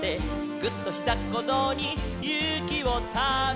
「ぐっ！とひざっこぞうにゆうきをため」